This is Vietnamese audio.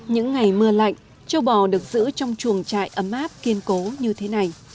những ngày mưa lạnh châu bò được giữ trong chuồng trại ấm áp kiên cố như thế này